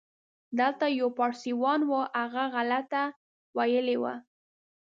دلته یو پاړسیوان و، هغه غلطه ویلې وه.